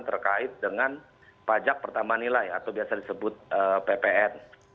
terkait dengan pajak pertama nilai atau biasa disebut ppn